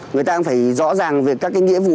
người ta cũng phải rõ ràng về các cái nghĩa vụ